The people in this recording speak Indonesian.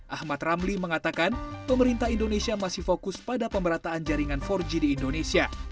ahmad ramli mengatakan pemerintah indonesia masih fokus pada pemerataan jaringan empat g di indonesia